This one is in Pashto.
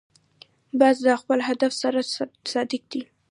باز د خپل هدف سره صادق دی